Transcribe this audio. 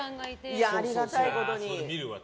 ありがたいことに。